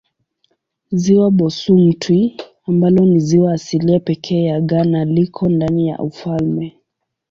Ziwa Bosumtwi ambalo ni ziwa asilia pekee ya Ghana liko ndani ya ufalme.